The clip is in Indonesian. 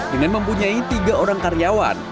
dengan mempunyai tiga orang karyawan